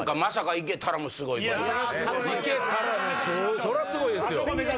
行けたらそりゃすごいですよ！